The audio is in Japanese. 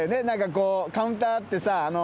何かこうカウンターあってさ。